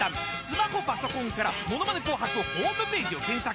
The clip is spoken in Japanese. スマホパソコンから『ものまね紅白』ホームページを検索。